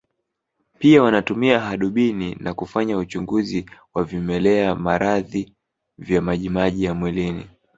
Pia wanatumia hadubini na kufanya uchunguzi wa vimelea maradhi vya majimaji ya mwilini